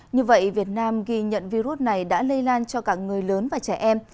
như vậy việt nam ghi nhận virus này đã lây lan cho cả người lớn và trẻ em